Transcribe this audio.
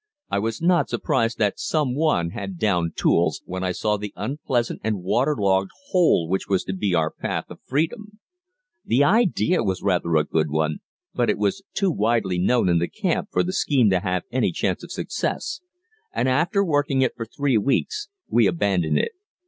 I was not surprised that some one had downed tools, when I saw the unpleasant and water logged hole which was to be our path of freedom. The idea was rather a good one, but it was too widely known in the camp for the scheme to have any chance of success, and after working it for three weeks we abandoned it.